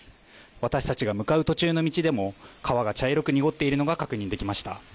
私たちが向かう途中の道でも川が茶色く濁っているのが確認できました。